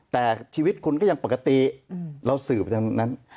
แต่ชีวิตคุณก็ยังปกติเราสื่อไปทางนั้น